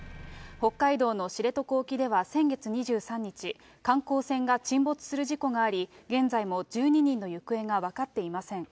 北海道の知床沖では先月２３日、観光船が沈没する事故があり、現在も１２人の行方が分かっていません。